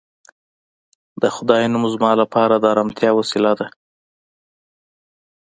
د خدای نوم زما لپاره د ارامتیا وسیله ده